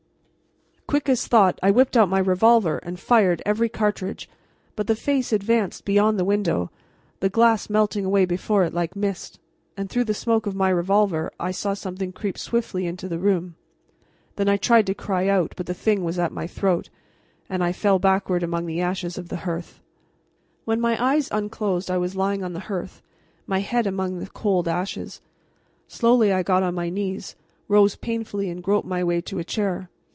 Quick as thought I whipped out my revolver and fired every cartridge, but the face advanced beyond the window, the glass melting away before it like mist, and through the smoke of my revolver I saw something creep swiftly into the room. Then I tried to cry out, but the thing was at my throat, and I fell backward among the ashes of the hearth. When my eyes unclosed I was lying on the hearth, my head among the cold ashes. Slowly I got on my knees, rose painfully, and groped my way to a chair.